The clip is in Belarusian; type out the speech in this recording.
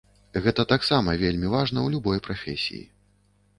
Гэта таксама вельмі важна ў любой прафесіі.